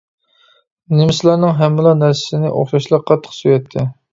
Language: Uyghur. نېمىسلارنىڭ ھەممىلا نەرسىسىنى ئوخشاشلا قاتتىق سۆيەتتى.